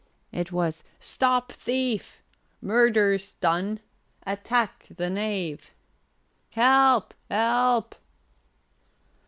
It was "Stop thief!" "Murder's done!" "Attach the knave!" "Help! Help!"